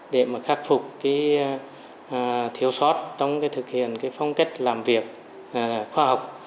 để mà khắc phục cái thiếu sót trong cái thực hiện cái phong cách làm việc khoa học